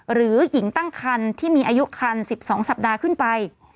หรือหญิงตั้งคันที่มีอายุคัน๑๒สัปดาห์ขึ้นไป